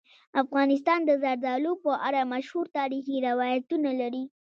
افغانستان د زردالو په اړه مشهور تاریخی روایتونه لري.